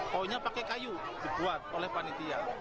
koinnya pakai kayu dibuat oleh panitia